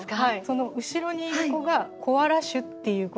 その後ろにいる子が「コアラ種」っていうことで。